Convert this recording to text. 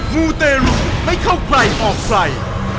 มูเตรุไม่เข้าใกล้ออกไฟ